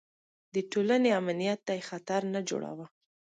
د ټولنې امنیت ته یې خطر نه جوړاوه.